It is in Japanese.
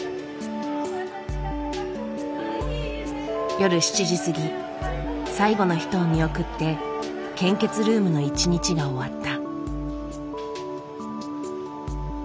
夜７時過ぎ最後の人を見送って献血ルームの一日が終わった。